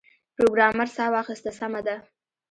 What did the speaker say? پروګرامر ساه واخیسته سمه ده